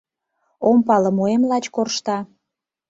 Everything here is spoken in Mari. Ом пале — моэм лач коршта.